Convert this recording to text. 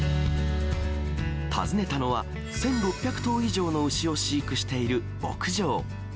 訪ねたのは１６００頭以上の牛を飼育している牧場。